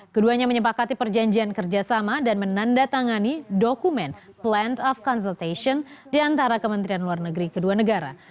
keduanya menyepakati perjanjian kerjasama dan menandatangani dokumen plant of consultation di antara kementerian luar negeri kedua negara